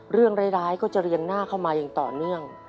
เรื่องร้ายก็จะเรียงหน้าเข้ามาอย่างต่อเนื่อง